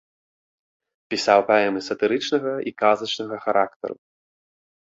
Пісаў паэмы сатырычнага і казачнага характару.